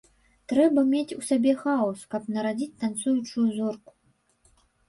Трэба мець у сабе хаос, каб нарадзіць танцуючую зорку.